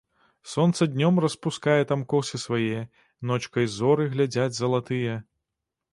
Сонца днём распускае там косы свае, ночкай зоры глядзяць залатыя.